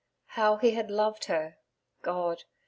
How he had loved her! ... God!